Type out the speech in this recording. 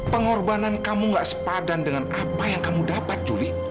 pengorbanan kamu gak sepadan dengan apa yang kamu dapat juli